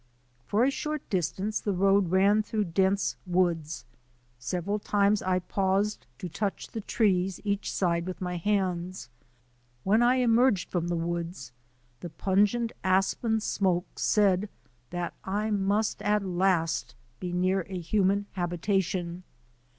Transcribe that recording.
For a short distance the road ran through dense woods. Several times I paused to touch the trees each side with my hands. When I emerged from the woods, the pungent aspen smoke said that I must at last be near a human habitation.